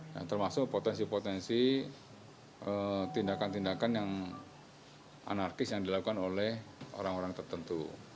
yang termasuk potensi potensi tindakan tindakan yang anarkis yang dilakukan oleh orang orang tertentu